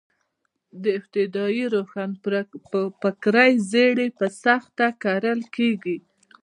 د ابتدايي روښانفکرۍ زړي په سخته کرل کېږي.